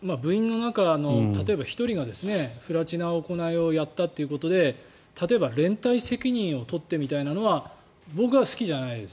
部員の中の例えば１人が不埒な行いをやったということで例えば連帯責任を取ってみたいなのは僕は好きじゃないです。